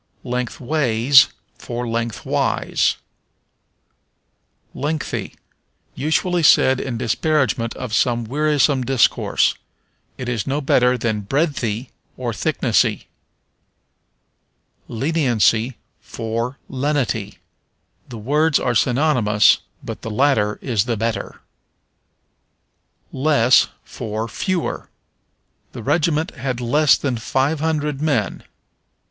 Lengthways for Lengthwise. Lengthy. Usually said in disparagement of some wearisome discourse. It is no better than breadthy, or thicknessy. Leniency for Lenity. The words are synonymous, but the latter is the better. Less for Fewer. "The regiment had less than five hundred men."